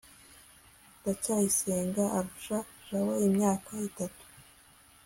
ndacyayisenga arusha jabo imyaka itatu